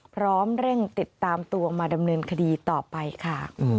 พร้อมเร่งติดตามตัวมาดำเนินคดีต่อไปค่ะ